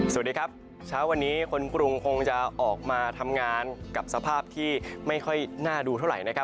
สวัสดีครับเช้าวันนี้คนกรุงคงจะออกมาทำงานกับสภาพที่ไม่ค่อยน่าดูเท่าไหร่นะครับ